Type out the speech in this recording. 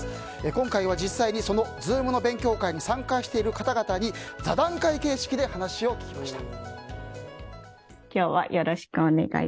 今回は、実際にＺｏｏｍの勉強会に参加している方々に座談会形式で話を聞きました。